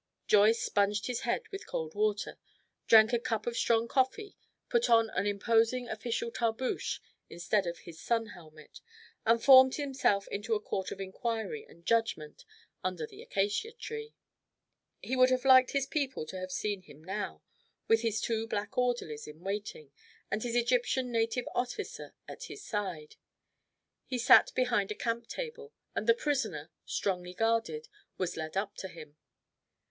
Joyce sponged his head with cold water, drank a cup of strong coffee, put on an imposing official tarboosh instead of his sun helmet, and formed himself into a court of inquiry and judgment under the acacia tree. He would have liked his people to have seen him now, with his two black orderlies in waiting, and his Egyptian native officer at his side. He sat behind a camp table, and the prisoner, strongly guarded, was led up to him.